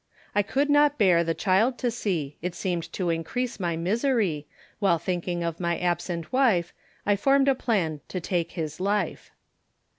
I could not bear the child to see, It seemed to increase my misery, While thinking of my absent wife, I form'd a plan to take his life.